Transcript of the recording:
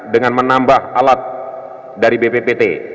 dengan menambah alat dari bppt